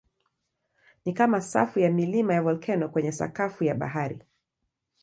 Ni kama safu ya milima ya volkeno kwenye sakafu ya bahari.